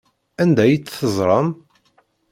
Anda ay tt-teẓram?